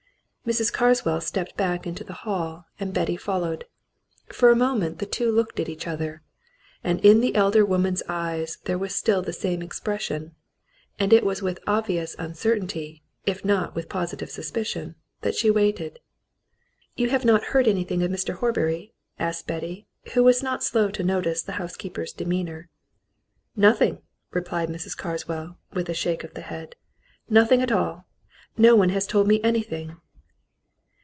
Mrs. Carswell stepped back into the hall, and Betty followed. For a moment the two looked at each other. And in the elder woman's eyes there was still the same expression, and it was with obvious uncertainty, if not with positive suspicion, that she waited. "You have not heard anything of Mr. Horbury?" asked Betty, who was not slow to notice the housekeeper's demeanour. "Nothing!" replied Mrs. Carswell, with a shake of the head. "Nothing at all! No one has told me anything."